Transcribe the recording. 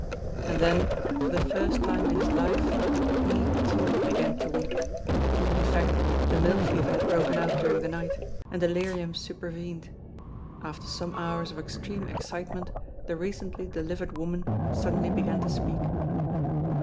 And then, for the first time in his life, he, too, began to weep. In fact, the milk fever had broken out during the night, and delirium supervened. After some hours of extreme excitement, the recently delivered woman suddenly began to speak.